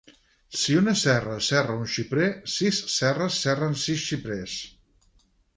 Si una serra serra un xiprer, sis serres serren sis xiprers.